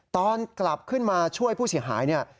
ตอนกลับขึ้นมาช่วยผู้เสียหายเนี่ย